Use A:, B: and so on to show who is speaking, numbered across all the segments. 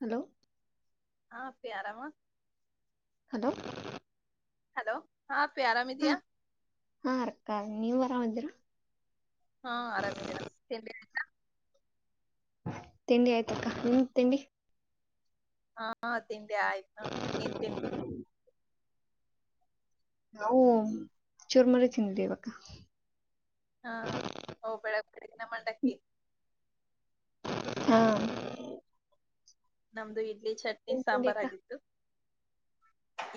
A: Hello
B: ಪಿ ಆರಾಮ
A: hello
B: hello ಹಾ ಅಪ್ಪಿ
A: ಹ
B: ಆರಾಮಿದ್ಯಾ
A: ಹಾ ಅರ್ಕ ನೀವ್ ಬರಾಮದರ
B: ಹಾ ಆರಾಮದಿನ ತಿಂಡಿ
A: ತಿಂಡಿ ಆಯ್ತಕ್ಕ ನಿಮ ತಿಂಡಿ
B: ಹಾ ತಿಂಡಿ ಆಯ್ತು ನೋಡಿ ಏನ್ ತಿಂಡಿ
A: ನಾವು ಚೋರ್ ಮರತನ್ಿಿ ಇವಾಗ
B: ಹಾ ಬೆಳ ಬೆಳಗಿನ ಮಂಡಕ್ಕಿ
A: ಹಾ
B: ನಮ್ದು ಇಡ್ಲಿ ಚಟ್ನಿ
A: ನಿಮ್ ತಿಂಡಿ
B: ಸಾಂಬಾರ್
A: ಅಕ್ಕ
B: ಆಗಿತ್ತು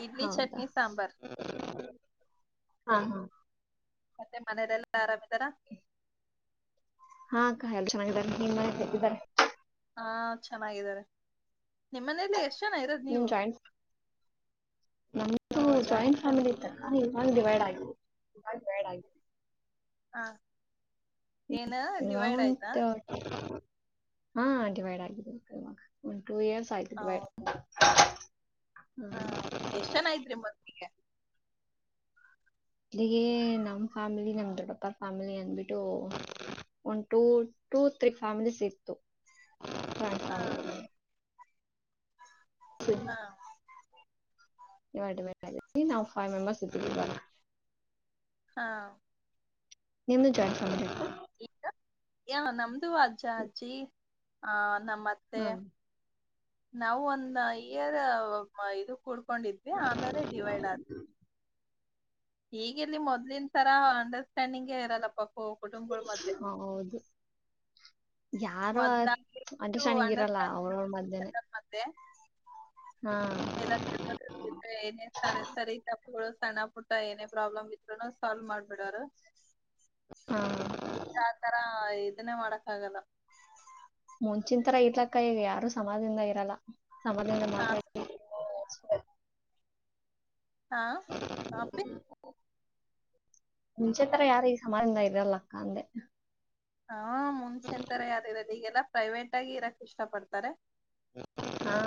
B: ಇಡ್ಲಿ
A: ಹೌದಾ
B: ಚಟ್ನಿ ಸಾಂಬಾರ್
A: ಹಾ ಹಾ
B: ಮತ್ತೆ ಮನೇಲೆಲ್ಲಾ ಆರಾಮ್ದಾರ
A: ಹಾ ಕ ಎಲ್ಲ ಚೆನ್ನಾಗಿದ್ದಾರೆ ನಿಮ್ಮ ಹ್ದಿದ್ದಾರೆ
B: ಹಾ ಚೆನ್ನಾಗಿದ್ದಾರೆ ನಿಮ್ಮನೇಲಿ ಎಷ್ಟ ಜನ ಇರೋದು್
A: ನಿಮ್
B: ನೀವು
A: ಜಾಯಿಂಟ್ ನಮ್ದು ಜಾಯಿಂಟ್ ಫ್ಯಾಮಿಲಿ ಇ ತಕ್ಕ ಇವಾಗ ಡಿವೈಡ್ ಆಗಿದೆ ತುಂಬ ಬ್ಯಾಡ ಆಗಿದೆ
B: ಹಾ
A: ಇವಾಗಂತ ಹಾ ಡಿವೈಡ್ ಆಗಿದೆ ಇವಾಗ ಒಂದು ಟೂ ಇಯರ್ಸ್ ಆಯ್ತು ಡಿವೈಡ್
B: ಹೌದ
A: ಹ
B: ಹಾ ಎಷ್ಟ್ ಜನ ಇದ್ರಿ ಮೊದ್ಲಿಗೆ
A: ಅಗ ನಮ್ ಫ್ಯಾಮಿಲಿ ನಮ್ ದೊಡ್ಡಪ್ಪರ ಫ್ಯಾಮಿಲಿ ಅಂದಬಿಟ್ಟು ಒಂದು ಟೂ ಟೂ ಥ್ರೀ ಫ್ಯಾಮಿಲೀಸ್ ಇತ್ತು ಫ್ಯಾಮ
B: ಹಾ ಹಾ
A: ನಾವ್ ಫೈವ್ ಮೆಂಬರ್ಸ್ ಇದ
B: ಹಾ
A: ನಿಮ್ದ ಜಾಯನ್ ಸಮ
B: ಈಗ ಯ ನಮ್ದು ಅಜ್ಜ ಅಜ್ಜಿ ಆ ನಮ್ಮತ್ತೆ
A: ಹಾ
B: ನಾವ ಒಂದ ಇಯರ್ ಇಡ್ ಕೊಂಡಿದ್ವಿ ಆಮೇಲೆ ಡಿವೈಡ್ ಆದ್ ಈಗ ಇಲ್ಲಿ ಮೊದಲಿನ ತರಾ ಅಂಡರ್ಸ್ಟ್ಯಾಂಡಿಂಗೇ ಇರಲ್ಲ ಪ
A: ಹೌದು ಯಾರು
B: ಮೊದ್ಲಾಗಿ
A: ಅಂತ
B: ಎಷ್ಟು
A: ಸಣಗಿ ಇರಲ್ಲ
B: ಅಂಡರ್ಸ್ಟ್ಯಾಂಡಿಂಗ್
A: ಅವ್ರವ್ರ ಮದನೆ
B: ಮತ್ತೆ ಎಲ್ಲ ತರಕಾರಿ ಸರಿ ಸಣ್ಣ ಪುಟ್ಟ ಏನೇ ಪ್ರಾಬ್ಲಮ್ ಇದ್ರನು ಸಾಲ್ವ್ ಮಾಡ್ಬಿಡಾರ
A: ಹಾ
B: ಈಗ ಆತರ ಇದನ್ನೇ ಮಾಡಕ್ ಆಗಲ್ಲ
A: ಮುಂಚನ್ ತರ ಇರ್ಲಕ್ಕ ಯಾರು ಸಮಾಜದಿಂದ ಇರಲ್ಲ ಸಮಾಜದಿಂದ
B: ಹಾ
A: ಮಾತ್ರ [inaudible]
B: ಹಾ ಹಪಿ
A: ಮುಂಚೆ ತರ ಯಾರ ಈ ಸಮಾಜದಿಂದ ಇದ್ರಲ್ಲಕ್ಕ ಅಂದೆ
B: ಹಾ ಮುಂಚೆ ತರ ಯಾರ್ದು ಇರೋದು ಈಗೆಲ್ಲಾ ಪ್ರೈವೇಟ್ ಆಗಿ ಇರಕ್ ಇಷ್ಟ ಪಡ್ತಾರೆ
A: ಹಾ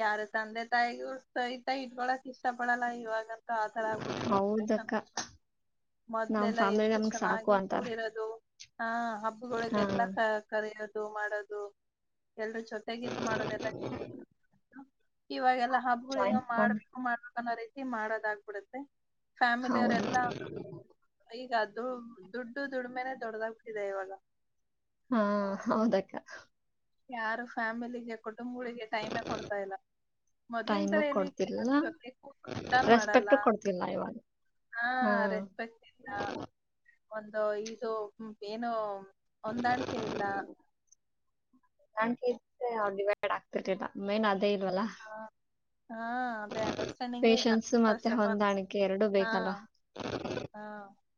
B: ಯಾರು ತಂದೆ ತಾಯಿಗ ಸಹತಾ ಇಟ್ಕೊಳಕ್ ಇಷ್ಟ ಪಡಲ್ಲ ಇವಾಗ ಹತರಬ
A: ಹೌದಕ್ಕ ನಮ್
B: ಮೊದ್ಲೆಲ್ಲ
A: ಫ್ಯಾಮಿಲಿ
B: ಎಷ್ಟು
A: ನಮ್ಗ್ ಸಾಕು
B: ಚೆನ್ನಾಗಿ
A: ಅಂತಾರ
B: ಕೂಡಿರೋದು ಹಾ ಹಬ್ಬಗಳೊಗೆ
A: ಹಾ
B: ಎಲ್ಲ ಕ ಕರೆಯೋದು ಮಾಡೋದು ಎಲ್ರೂ ಜೊತೆಗೆ ಇದ್ ಮಾಡೋದೆಲ್ಲ ಇವಾಗೆಲ್ಲಾ ಹಬ್ಬಗಳ ಏನೋ
A: ಜಾಯಿಂಟ್ ಫ್ಯಾಮಿಲಿ
B: ಮಾಡ್ಬೇಕು ಮಾಡ್ಬೇಕು ಅನ್ನೋ ರೀತಿ ಮಾಡೋದಾಗ್ಬಿಡತ್ತೆ ಫ್ಯಾಮಿಲಿಯ
A: ಹೌದು
B: ಅವರೆಲ್ಲ ಈಗಾದ ದು ದುಡ್ಡು ದುಡ್ಮೇನೆ ದೊಡದಾಗಬಿಟ್ಟಿದೆ ಇವಾಗ
A: ಹಾ ಹೌದಕ್ಕ
B: ಯಾರು ಫ್ಯಾಮಿಲಿಗೆ ಕುಟುಂಬಗಳಿಗೆ ಟೈಮೇ ಕೊಡ್ತಾ ಇಲ್ಲ ಮೊದ್ಲಿನ
A: ಟೈಮು
B: ತರೆಯಲ್ಲಿ
A: ಕೊಡ್ತಿಲ್ಲ
B: ಕ್ಯಾಬ್ೊ ಕೂಟರ್ನ್ ಮಾಡಲ್ಲ
A: ರೆಸ್ಪೆಕ್ಟ್ ಕೊಡ್ತಿಲ್ಲ ಇವಾಗ
B: ಹಾ ರೆಸ್ಪೆಕ್ಟ್ ಇಂತ ಒಂದು ಇದು ಏನು ಹೊಂದಾಣಿಕೆ ಇಲ್ಲ
A: ನನ್ ಕೆ ಡಿವೈಡ್ ಆಗ್ತಿರ್ಿಲ್ಲ ಮೇನ್ ಅದೇ ಇಲ್ವಲ್ಲ
B: ಹಾ ಅದೇ ಅಂಡರ್ಸ್ಟ್ಯಾಂಡಿಂಗೇ ಇಲ್ಲ
A: ಪೇಶನ್ಸ್ ಮತ್ತೆ
B: ಫಸ್ಟ್ ಆಫ್ ಆಲ್
A: ಹೊಂದಾಣಿಕೆ ಎರಡುೂ
B: ಹಾ
A: ಬೇಕಲ್ಲ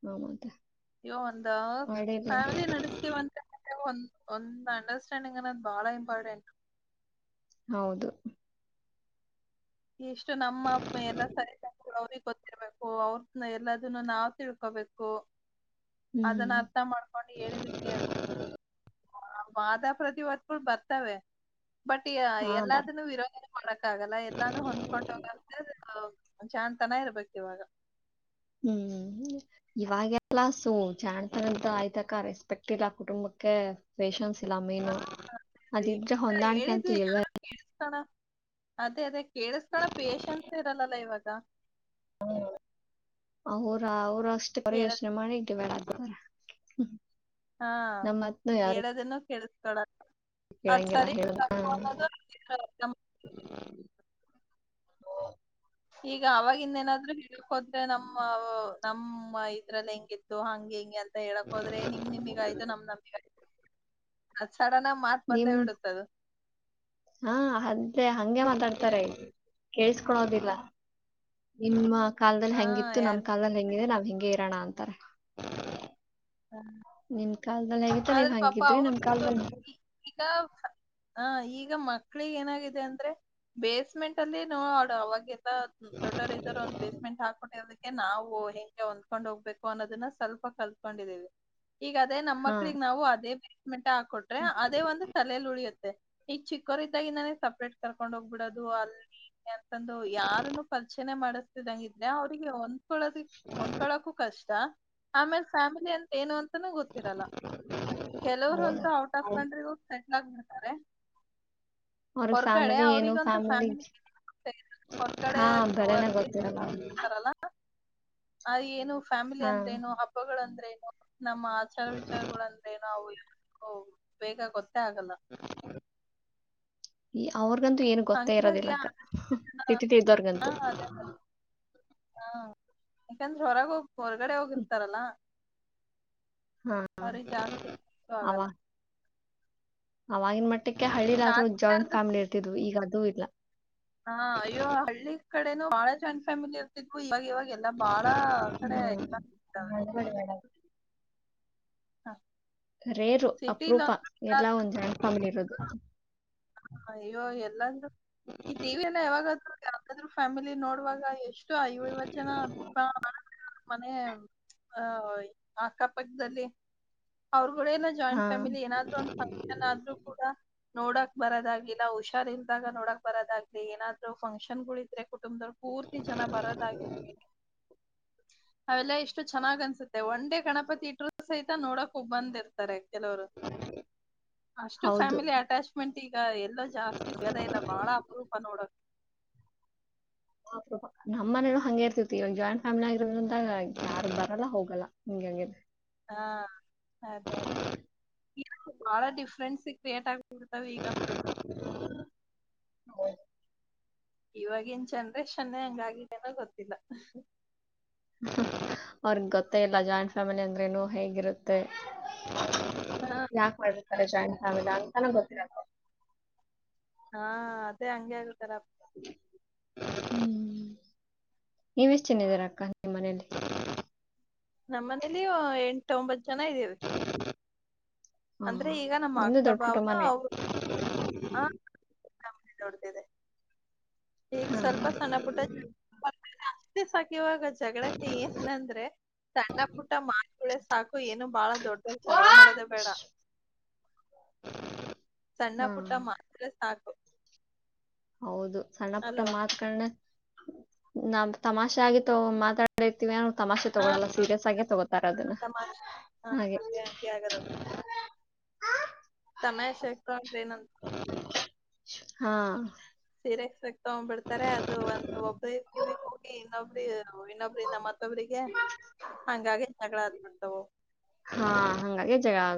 A: ಹಾಮದ
B: ಅವತ್ ಒಂದ ಫ್ಯಾಮಿಲಿ ನಡೆಸ್ತಿೀವಂತ ಒ ಒಂದು ಅಂಡರ್ಸ್ಟ್ಯಾಂಡಿಂಗ್ ಅನ್ನೋದು್ ಬಾಳ ಇಂಪಾರ್ಟೆಂಟ್
A: ಹೌದು
B: ಇಷ್ಟು ನಮ್ಮ ಎಲ್ಲ ಸರಿ ತರು ಅವ್ರಗ್ ಗೊತ್ತಿರ್ಬೇಕು ಅವ್ರ ಎಲ್ಲದನ್ನ ನಾವ್ ತಿಳ್ಕೋು ು ಅದನ್ನ
A: ಹ್ಮ್
B: ಅರ್ಥ ಮಾಡ್ಕೊಂಡು ಹೇಳಿದಕ್ಕೆತ ಮಾಾದಾ ಪ್ರತಿವಾದ ಪ ಬರ್ತವೆ ಬಟ್
A: ಹಾ ಬರ್
B: ಎಲ್ಲಾದನ್ನು ವಿರೋಧನೆ ಮಾಡಕ್ ಆಗಲ್ಲ ಎಲ್ಲಾನು ಹೊಂದ್ಕೊಂಡೋಗ ಜಾಣ್ ತನ ಇರ್ಬೇಕು ಇವಾಗ
A: ಹ್ಮ್ ಇವಾಗಲ್ಲಸು ಜಾಣ್ತಾನಂತ ಆಯ್ತಕ ರೆಸ್ಪೆಕ್ಟ್ ಇಲ್ಲ ಕುಟುಂಬ ೆ ಫಷನ್ಸ್ ಇಲ್ಲ
B: ಹಾ
A: ಮೇನು
B: ಅದೇ ಅದೇ
A: ಅದಿದ್ರೆ
B: ಇವಾಗ
A: ಹೊಂದಾಣಿಕೆ
B: ಹೇಳಿದ್ದು
A: ಅಂತೂ ಇಲ್ವ
B: ಯಾರು ಕೇಳಿಸ್ಕೊಳ ಅದೇ ಅದೇ ಕೇಳಿಸಕೋಣ ಪೇಶನ್ಸ್ ಇರಲ್ಲ ಲ್ಲ ಇವಾಗ
A: ಅವರ ಅವ್ರ ಅಷ್ಟೇ ಪರಿ
B: ಹೇಳದ್
A: ಯೋಚನೆ ಮಾಡಿದ್ದವಿಳರ
B: ಹಾ ಹೇಳದನ್ನು ಕೇಳಿಸಕೊಳಲ್ಲ
A: ಕೆಳಂಗಿಲ್ಲ ಹೇಳ ಹಾ
B: ಅರ್ಥ ಮಾಡ್ಕೊಳ್ಳಲ್ಲ.
A: ಹಾ
B: ಈಗ ಅವವಾಗಿನ್ನೇಏನಾದ್ರು ಹೇಳ್ಕ್ೋದ್ರೆ ನಮ್ಮ ನಮ್ಮ ಇದ್ರಲ್ಲಿ ಹೆಂಗಿತ್ತು ಹಂಗಗೆ ಹೆಂಗಗೆ ಅಂತ ಹೇಳಕ್ ಹೋದ್ರೆ ನಿಮ್ ನಿಮಿಗ ಆಯ್ತು ನಮ್ ನಮಿಗ ಆಯ್ತು ಸಡನ್ ಆಗಿ ಮತ್
A: ನಿಮ್
B: ಬಂದೇ ಬಿಡುತ್ತದು
A: ಹಾ ಅದೇ ಹಗೆ ಮಾತಾಡ್ತಾರೆ ಕಳ್ ೋದಿಲ್ಲ ನಿಮ್ಮ ಕಾಲದಲ್ಲಿ
B: ಹಾ
A: ಹೆಂಗಿತ್ತು ನಮ್ಮ್
B: ಯಾರಿಗೂ
A: ಕಾಲದಲ್ಲಿ ಹೆಂಗಿದೆ ನಾವ್ ಹಂಗೆ ಇ ಕಣ ಅಂತಾರ ನಿಮ್ ಕಲ್ದಲ್ಲಿ ಹೇಗಿತ್ತು ನೀವ್
B: ಆದ್ರೆ ಪಾಪ
A: ಹಂಗಿದ್ರಿ ನಮ
B: ಅವ್ರದ್ದು
A: ಕಲ್ದಲ್ಲಿ
B: ಈಗ ಹ ಈಗ ಮಕ್ಳಿಿಗೆ ಏನಾಗಿದೆ ಅಂದ್ರೆ ಬೇಸ್ಮೆಂಟ್ ಅಲ್ಲಿ ನೋಡು ಅವಾಗ ದೊಡ್ಡವರ ಇದ್ದರು ಒಂದ ಬೇಸ್ೆಟ್ ಹಾಕೊಂಡಿದಕ್ಕೆ ೆ ನಾವು ಹೆಂಗೆ ಹೊಂದ್ಕೊಂಡ್ ಹೋಗ್ಬೇಕು ಅನ್ನೋದನ್ನ ಸ್ವಲ್ಪ ಕಲ್ತ್ಕೊಂಡಿದ್ದೇವಿ ಈಗ ಅದೇ ನಮ್ಮ
A: ಹಾ
B: ಮಕ್ಳಿಗೆ ನಾವು ಅದೇ ಬೇಸ್ಮೆಂಟ್ ಹಾಕೊಟ್ರೆ ಅದೇ ಒಂದು ತಲಲಿ ಉಳಿಯುತ್ತೆ ಈ ಚಿಕ್ಕೋರಿದ್ದಾಗಿ ನಾನೇ ಸಪ್ರೇಟ್ ಕರ್ಕೊಂಡ್ ಹೋಗ್ಬಿಡದು ಅಲ್ಲಿ ಅಂತಂದು ಯಾರನು ಯರ್ಚನೆ ಮಾಡಿಸ್ತಿದಂಗಿದ್ರೆ ಅವ್ರಿಗೆ ಒ ಕೋದ ಹೊಂದ್ಕೊಳಕು ಕಷ್ಟ ಆಮೇಲೆ ಫ್ಯಾಮಿಲಿ ಅಂತ ಏನುಂತ ಗೊತ್ತಿರಲ್ಲ ಕೆಲವರು
A: ಹೌದು.
B: ಅಂತ ಔಟ್ ಆಫ್ ಕಂಟ್ರಿ ಹೋಗ್ತ ತ
A: ಅವ್ರಗ್
B: ಹೊರಗಡೆ
A: ಫ್ಯಾಮಿಲಿ ಏನು
B: ಅವ್ರಗಂತ ಫ್ಯಾಮಿಲಿ ಹೊರ ಕಡೆ
A: ಹಾ ಬೆಲೆನೆ ಗೊತ್ತಿರಲ್ಲ ಅವ್ರಿಗೆ
B: ನೋವರ್ರಲ್ಲ ಅ ಏನು ಫ್ಯಾಮಿಲಿ
A: ಹಾ
B: ಅಂದ್ರೆ ಏನು ಹಬ್ಬಗಳು ್ರ ನಮ್ಮ ಆಚಾರ ವಿಚಾರಗಳಂದ್ರೆ ನವು ಬೇಗ ಗೊತ್ತ ತ್ತ ಆಗಲ್ಲ
A: ಈ ಅವ್ರರ್ಗಂತೂ ಏನು ಗೊತ್ತೇ
B: ಹಂಗಾಗಿ ಆ
A: ಇರೋದಿಲ್ಲಕ್ಕ ಸಿಟಿ ತ
B: ಹಾ
A: ಇದ್ದೋರ್ಗಂತೂ
B: ಅದೇ ಮತ್ತೆ ಹಾ ಯಾಕಂದ್ರೆ ಹೊರಗೆ ಹೋಗ ಹೊರಗಡೆ ಹೋಗಿರ್ತಾರಲ್ಲಾ
A: ಹಾ
B: ಅರಿ ಜಾಸ್ತಿ ಅಷ್ಟು ಆಗಲ್ಲ
A: ಅವವಾಗಿನ ಮಟ್ಟಕ್ಕೆ ಹಳ್ಳಿ ಆದ್ರೂ ಜಾಯಿಂಟ್
B: ತಾತ್ಕಾಲದಷ್ಟು
A: ಫ್ಯಾಮಿಲಿ ಇರ್ತಿದ್ವು ಈಗ ಅದುೂ ಇಲ್ಲ
B: ಹಾ ಅಯ್ಯೋ ಹಳ್ಳಿ ಕಡೆನೂ ಬಹಳ ಜಾಯಿಂಟ್ ಫ್ಯಾಮಿಲಿ ಇರ್ತಿಿದ್ವುವಿ ಇವಾಗ ಇವಾಗ ಗೆಲ್ಲ ಬಾಳ ಆ ಕಡೆ
A: ಹ್ಮ್
B: ಇಲ್ಲ ಹಾ
A: ರೇರು ಅಪರೂಪ ಎಲ್ಲಾ
B: ಎಲ್ಲಾದ್ರೂ
A: ಒಂದ್ ಜನ ಕಮಲಿ ಇರೋದು
B: ಹ ಇಯ್ಯೋ ಎಲ್ಲಂದ್ೂ ಈ ಟಿವಿಯ ಎಲ್ಲ ಯಾವಾಗಾದ್ೂ ಯಾವ್ದಾದ್ರು ಫ್ಯಾಮಿಲಿ ನೋಡುವಾಗ ಎಷ್ಟು ಆಯು ವೆ ನ ಮನೆ ಆಹ ಅಕ್ಕಪಕ್ಕದಲ್ಲಿ ಅವರು ಕೂಡೆ ಎಲ್ಲ ಜಾಯಿಂಟ್
A: ಹಾ
B: ಫ್ಯಾಮಿಲಿ ಏನಾದ್ರು ಒಂದ್ ಫಕ್ಷನ್ ಆದ್ರೂ ಕೂಡ ನೋಡಕ್ ಬರೋದಾಗ್ಲಿಲ್ಲ ಹುಷಾರ್ಲ್ದಾಗ ನೋಡಕ್ ಬರೋದಾಗ್ಲಿ ಏನಾದ್ರು ಫಂಕ್ಷನ್ ಗಳು ಇದ್ರೆ ತುಮ ಪೂರ್ತಿ ಜನ ಬರೋದಾಗಿರ್ತನೆ ಅವೆಲ್ಲ ಇಷ್ಟು ಚೆನ್ನಾಗ್ ಅನ್ಸುತ್ತೆ ಒಂದೇ ಗಣಪತಿ ಇಟ್್ರರು ಸಹಿತ ನೋಡ ಬಂದಿರ್ತಾರೆ ಕೆಲವರು ಅಷ್ಟು
A: ಹೌದು
B: ಫ್ಯಾಮಿಲಿ ಅಟ್ಯಾಚ್ಮೆಂಟ್ ಈಗ ಎಲ್ಲೋ ಜಾಸ್ತಿ ಸಿಗದ ಇಲ್ಲ ಬಾಳ ಅಪರೂಪ ನೋಡಕ್
A: ನಮ್ಮ ಮನೇ ಹಂಗೆ ಇರ್ತತಿ ಇವಾಗ ಜಾಯಿಂಟ್ ಫ್ಯಾಮಿಲಿ ಆಗಿರೋದ ಅ ಯಾರು ಬರಲ್ಲ ಹೋಗಲ್ಲ ನಿಂಗ್ ಹಂಗಿದೆ
B: ಹಾ ಈ ಬಾಳ ಡಿಫ್ರೆನ್ಸ್ ಕ್ರಿಯೇಟ್ ಆಗ್ಬಿರ್ತಾವ ಈಗಂತ ಇವಾಗಿನ್ ಜನ್ರೇಷನ್ನೇ ಹಂಗಗಿದ್ದೇನೋ ಗೊತ್ತಿಲ್ಲ
A: ಅವ್ರಗ್ ಗೊತ್ತೇ ಇಲ್ಲ ಜಾಯಿಂಟ್ ಫ್ಯಾಮಿಲಿ ಅಂದ್ರೆನು ಹೇಗಿರುತ್ತೆ
B: ಹಾ
A: ಯಾಕ ಮಾಡಬೇಕಲ್ಲ ಜಾಯಿನ್ ಫಾಮಿಲ್ಲ ಅಂತನ ಗೊತ್ತರ ನವು
B: ಹಾ ಅದೇ ಹಂಗಗೆ ಆಗಳ್ತಾರ
A: ಹ್ಮ್ ಹ್ಮ ನೀವ ಎಷ್ಟ್ ಚೆನ್ನಿದ್ದೀರ ಅಕ್ಕ ನಿಮ್ಮ ಮನೇೆಯಲ್ಲಿ
B: ನಮ್ಮ ಮನೇಲಿ ಎಂಟ ಒಂಬತ್ತು ಜನ ಇದೀವಿ
A: ಹಾ
B: ಅಂದ್ರೆ ಈಗ ನಮ್ಮ
A: ನಿಮ್ದು
B: ಅಕ್ಕ
A: ದೊಡ್ಡ
B: ಬಾವ
A: ಕುಟುಂಬನೇ
B: ಅವರು ಹ ಕಂಪ್ ನೋಡ್ತಿದೆ ಈಗ ಸ್ವಲ್ಪ ಸಣ್ಣ ಪುಟ್ಟ ಜಾಸ್ತಿ ಸಾಕಿವಾಗ ಜಗಳಕ್ಕೆ ಏನ್ಂದ್ರೆ ಸಣ್ಣ ಪುಟ್ಟ ಮಾರ್ಕಳೆ ಸಾಕು ಏನು ಬಾಳ ದೊಡ್ಡ
A: ಹಾ
B: ಜಗಳ ಮಾಡದೆ ಬೇಡ ಸಣ್ಣ
A: ಹಾ
B: ಪುಟ್ಟ ಮಾತ್ ಸಾಕು
A: ಹೌದು ಸಣ್ಣ ಪುಟ್ಟ
B: ಅಲ್ವಾ
A: ಮಾತ್ಕಣ ನಾ ತಮಾಷೆ ಆಗಿ ತ ಮಾತಾಡಿರ್ತೀವಿ ತಮಾಷೆ
B: ಹಾ
A: ತಗೊಳಲ್ಲ
B: ಹಾ,
A: ಸೀರಿಯಸ್ ಆಗೇ ತಗೋತಾರ ಅದನ್ನ
B: ತಮಾಷೆ ಹಾ
A: ಹಾಗೆ
B: ಅದೇ
A: ಹಾ
B: ಸಮಯ ಸೆನ್ಸ್ಟ
A: ಹಾ
B: ಸೀರೆಸಕ್ ತಗೊಂಡ್ಬಿಡ್ತಾರೆ ಅದು ಒಂದ್ ಒಬ್ರ ಕಿವಿ ಹೋಗಿ ಇನ್ನೊಬ್ರಿ ಇನ್ನೊಬ್ರ ನ ಮತ್ತೊಬ್ರಿಗೆ ಹಂಗಾಗಿ ಜಗಳ ಹತ್ಬಿಡ್ತವು
A: ಹಾ ಹಂಗಾಗಿ ಜಹಳ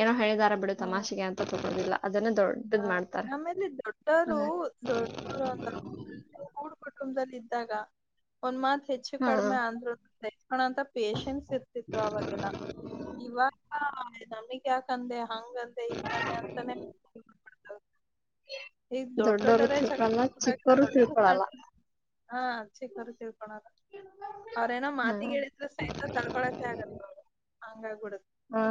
A: ಏನೋ ಹೇಳಿದಾರ ಬಿಡು ತಮಾಷೆಗೆ ಅಂತ ತೊಗೋದಿಲ್ಲ
B: ಹ ನಮೇಲೆ ದೊಡ್ಡವರು
A: ಹಂಗ
B: ದೊಡ್ಡವರು ಅಂದ ಡ್ ಕುಟುಂಬದಲ್ಲಿ ಇದ್ದಾಗ ಒಂದ್ ಮಾತ್ ಹೆಚ್ಚು
A: ಹಾ
B: ಕಡಿಮೆ ಅಂದ್ರು ತಚ್ಕಳಂತ ಪೇಶೆನ್ಸ್ ಇರ್ತಿತ್ತು ಅವಾಗೆಲ್ಲ ಇವಾಗ ನಮಗ್ ಯಾಕಂದೆ ಹಂಗ್ದೆ ಹಿಂಗದ್ದೆ ಅಂತಾನೆ ಈ
A: ದೊಡ್ಡೋರು
B: ದೊಡ್ದೋಡ್ಡರ ಸ
A: ತಿಳ್ಕೊಲ್ಲ ಚಿಕ್ಕೋರು
B: ದೊಡ್ಡರ ಹಾ
A: ತಿಳ್ಕೊಳಲ್ಲ
B: ಹಾಚ್ಚಕರಿತೀವಿ ಕಣಣ್ಣ ಅವ್ರೇನೋ
A: ಹಾ
B: ಮಾತಿಗೆಿಳಿದ್ರು ಸಹಿತ ತಳ್ಕೊಳಕೆ ಆಗತ್ತ ಅವ್ರು ಹಂಗಾಬೀಡುತ
A: ಹಾ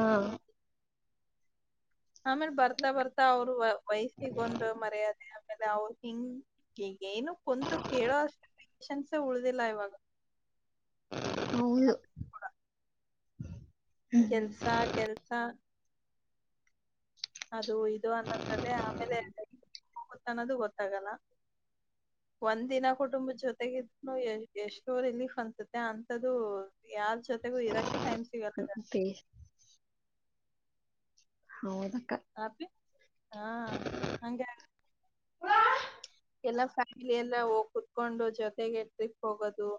B: ಆಮೇಲ್ ಬರ್ತಾ ಬರ್ತಾ ಅವ್ರು ವಯಸ್ಸಿಗೊಂದು್ ಮರ್ಯಾದೆ ಆಮೇಲೆ ಅವರು ಹಿಂಗ ಹ ಏನು ಕುಂತು ಕೇಳೋ ಅಷ್ಟೆ ಪೇಶನ್ಸ ಉಳ್ದಿಲ್ಲ ಇವಾಗ
A: ಹೌದು
B: ಯಾರ್ಗೂ ಕೂಡ. ಕೆಲ್ಸ ಕೆಲ್ಸ ಅದು ಇದು ಅನ್ನೋದ್ರಲ್ಲೇ ಆಮೇಲೆ ಹೋಗುತ್ತ ಅನ್ನೋದು ಗೊತ್ತಾಗಲ್ಲ
A: [inaudible]
B: ಒಂದ್ ದಿನ ಕುಟುಂಬದ ಜೊತೆಗ ಇದ್ ಎಷ್ಟೋ ರಿಲೀಫ್ ಅನ್ಸುತ್ತ ಅಂತ್ದು ಯಾರ್ ಜೊತೆಗ ಇರಾಕ್ಕೆ ಟೈಮ ಸಿಗತ್ತ
A: ಬೇಷ್ ಹೌದಾ
B: ಅಬಿ ಹಾ ಹಂಗ ಎಲ್ಲ ಫ್ಯಾಮಿಲಿ ಎಲ್ಲ ಹೋಗ ಕುೂತ್ಕೊಂಡು ಜೊತೆಗೆ ಟ್ರಿಪ್ ಹೋಗೋದು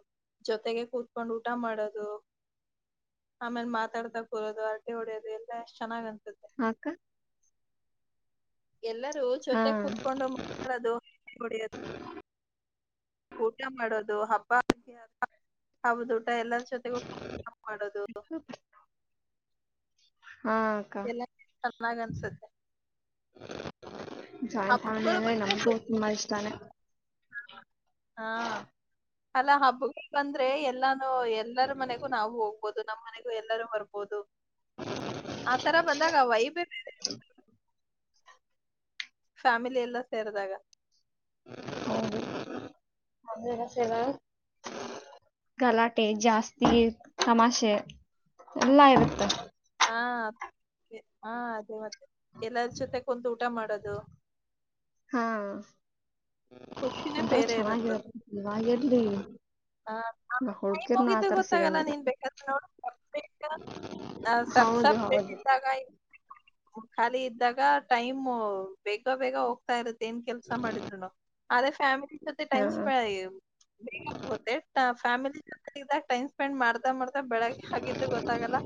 B: ಜೊತೆಗೆ ಕೂತ್ಕೊಂಡ್ ಊಟ ಮಾಡೋದು ಆಮೇಲೆ ಮಾತಾಡ್ತಾಗ ಬರೋದು ಅರಟೆ ಹೊಡೆಯೋದು ಎಸ್ಟ ಚೆನ್ನಾಗಅನ್ಸುತ್ತೆ
A: ಹಾ ಅಕ್ಕ
B: ಎಲ್ಲರೂ
A: ಹಾ
B: ಜೊತೆಗ್ ಕುೂತ್ಕೊಂಡು ಮಾಡದುಡಿಯದು ಊಟ ಮಾಡೋದು ಹಬ್ಬ ಹಬ್ಬ್ದ ಊಟ ಎಲ್ಲರ ಜೊತೆಗ ಮಾಡೋದು
A: ಹ್ಮ ಅಕ್ಕ
B: ಎಲ್ಲ ಚೆನ್ನಾಗ್ ಅನ್ಸುತ್ತೆ
A: ಜಾಯಿಂಟ್ ಫ್ಯಾಮಿಲಿ
B: ಹಬ್ಬಗಳು
A: ಅಂದ್ರೆ
B: ಬಂದ್ರೆ
A: ನಮ್ಗು
B: ಖುಷಿ
A: ತುಂಬಾ ಇಷ್ಟಾನೆ
B: ಹಾ ಅಲ್ಲಾ ಹಬ್ಬಗಳು ಬಂದ್ರೆ ಎಲ್ಲಾನು ಎಲ್ಲರ ಮನೆಗೂ ನಾವು ಹೋಗ್ಬೋದು ನಮ್ಮ್ ಮನೆಗೂ ಎಲ್ಲರೂ ಹೊರಬೋದು ಹಾ ತರ ಬಂದ ವಿಬೇ ಬೇರೆ ಫ್ಯಾಮಿಲಿ ಎಲ್ಲ ಸೇರದಾಗ
A: [unintelligible] ಗಲಾಟೆ ಜಾಸ್ತಿ ತಮಾಷೆ ಎಲ್ಲಾ ಇರುತೆ
B: ಹಾ ಹಾ ಅದೇ ಮತ್ತೆ ಎಲ್ಲಾರ ಜೊತೆ ಕುಂದು ಊಟ ಮಾಡದು
A: ಹಾ
B: ಖುಷಿನೇ
A: ಒಂಥರ
B: ಬೇರೆ ಇರುತ್ತದೆ
A: ಚೆನ್ನಾಗಿರುತ್ತೆ ಇವಾಗಿರ್ಲಿ
B: ಹ ಆಮೇ ಟೈಮ್
A: ಹುಡ್ಗಿರ್ನು
B: ಹೋಗಿದ್ದು
A: ಆತರ
B: ಗೊತ್ತಾಗಲ್ಲ
A: ಸಿಗಂಗಿಲ್ಲ
B: ನೀನ್ ಬೇಕಾದ್ರೆ ನೋಡಬೇಕ ಹಾ ಸಪ ಸಪ
A: ಹೌದು ಹೌದು
B: ಪ್ರೇಮಾಗ ಖಾಲಿ ಇದ್ದಾಗ ಟೈಮ್ ಬೇಗ ಬೇಗ ಹೋಗ್ತಾ ಇರುತ್ತ ಏನ್ ಕೆಲ್ಸ ಮಾಡಿದ್ರುನು ಅದೇ ಫಾಮಿಲಿ
A: ಹಾ
B: ಸ ೈಮ ಸ್ಪೆ ಬೇಕ ಫ್ಯಿಲಿ ಜೊತೆಗಾಗ ಟೈ್ ಸ್ಪೆಂಡ್ ಮಾಡ್ ಮಾಡತಾ ಬೆಳಗ್ಗೆ ಆಗಿದ್ದು ಗೊತ್ತಾಗಲ್ಲ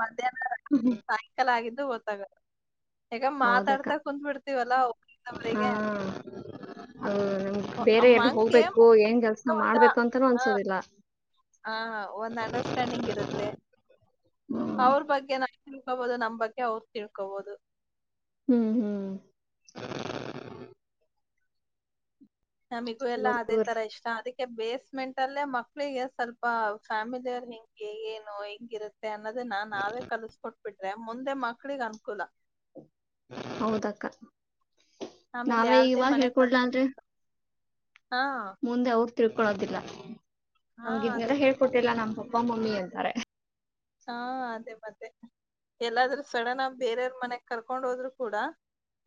B: ಮಧ್ಯಾಹ್ನ ಸಾಯಂಕಾಲ ಆಗಿದ್ದು ಒತ್ತಾಗ ಈಗ
A: ಹೌದಕ್ಕ
B: ಮಾತಾಡ್ತಾ ಕುತ್ ಬಿಿಡ್ತೀವಲ್ಲಾ
A: ಹಾ
B: ಒಬರಿಂದವರಿಗೆ
A: ಅದು ನಮ್ಗ್ ಬೇರೆ
B: ಅಮ್ಮ
A: ಎಲ್ಲಿ
B: ಅಂಗೆಂದ
A: ಹೋಗ್ಬೇಕು ಏನ್ ಕೆಲ್ಸ
B: ಹಾ
A: ಮಾಡ್ಬೇಕು ಅಂತಾನೂ ಅನ್ಸೋದಿಲ್ಲ
B: ಹಾ ಒಂದ್ ಅಂಡರ್ಸ್ಟ್ಯಾಂಡಿಂಗ್ ಇರುತ್ತೆ
A: ಹ್ಮ್
B: ಅವ್ರ ಬಗ್ಗೆ ನ ತಿಳ್ಕೋಬಹುದು ನಮ ಬಗ್ಗೆ ಅವ್ರು ತಿಳ್ಕೋಬಹುದು
A: ಹ್ಮ್ ಹ್ಮ್
B: ನಮಗೂ ಎಲ್ಲಾ
A: ಇವಾಗ
B: ಅದೇ ತರ ಇಷ್ಟ ಅ ಬೇಸ್ಮೆಂಟ್ ಅಲ್ಲೇ ಮಕ್ಳಿಗೆ ಸ್ವಲ್ಪ ಫ್ಯಾಮಿಲಿಯ ಅವ್ರ ಹೆಿಂಗೆ ಏನು ಹೆಂಗಿರುತ್ತೆ ಅನ್ನೋದನ್ನ ನಾವೇ ಕಲ್ಸ್ಕೊಟ್ಬಿಟ್ರೆ ಮುಂದೆ ಮಕ್ಳಿಗೆ ಅನ್ಕೂಲ
A: ಹೌದಕ್ಕ
B: ಆಮೇಲೆ
A: ನಾವೇ
B: ಯಾರ್ದೇ
A: ಇವಾಗ
B: ಮನೆಗ್
A: ಹೇಳ್ಕೊಡ್ಲ
B: ಕರ್ಕೊಂಡ್
A: ಅಲ್ರಿ
B: ಹಾ
A: ತಿಳ್ಕೊಳೋದಿಲ್ಲ
B: ಹಾ
A: ನಮ್ಗ
B: ಅದೇ
A: ಇದ್ನೆಲ್ಲ
B: ಮತ್ತೆ
A: ಹೇಳ್ಕೊಟ್ಟಿಲ್ಲ ನಮ್ಮ್ ಪಪ್ಪ ಮಮ್ಮಿ ಅಂತಾರೆ
B: ಹಾ ಅದೇ ಮತ್ತೆ ಎಲ್ಲಾದ್ರೂ ಸಡನ್ ಆಗಿ ಬೇರೆಯವ್ರ ಮನೆಗ್ ಕರ್ಕೊಂಡ್ ಹೋದ್ರು ಕೂಡ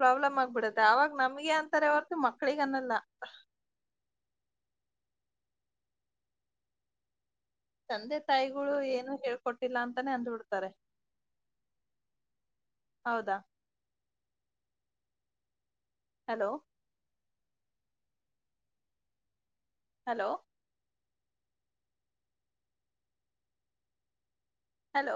B: ಪ್ರಾಬ್ಲಮ್ ಆಗ್ಬಿಡತ್ತೆ ಅವಾಗ ನಮ್ಗೆ ಅಂತಾರೆ ಹೊರ್ತು ಮಕ್ಳಿಗನ್ನಲ್ಲ
A: ಹ
B: ತಂದೆ ತಾಯಿಗಳು ಏನು ಹೇಳ್ಕೊಟ್ಟಿಲ್ಲ ಅಂತಾನೇ ಅಂದಬಿಡ್ತಾರೆ ಹೌದಾ ಹಲೋ ಹಲೋ ಹಲೋ